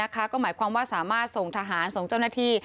ก็หมายความว่าสามารถส่งทหารส่งเจ้าหน้าที่